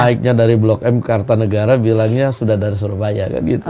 naiknya dari blok m ke kartanegara bilangnya sudah dari surabaya kan gitu